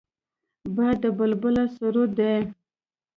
باد د بلبله سرود دی